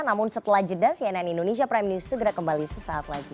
namun setelah jeda cnn indonesia prime news segera kembali sesaat lagi